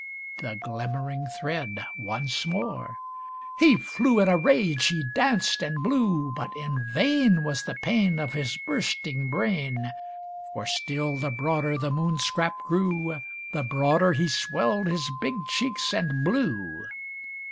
The glimmering thread once more! He flew in a rage he danced and blew; But in vain Was the pain Of his bursting brain; For still the broader the Moon scrap grew, The broader he swelled his big cheeks and blew.